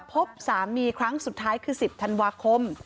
พบสามีครั้งสุดท้ายคือ๑๐ธันวาคม